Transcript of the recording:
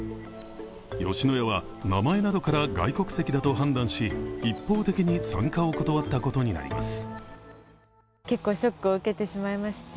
吉野家は名前などから外国籍だと判断し、一方的に参加を断ったことになります。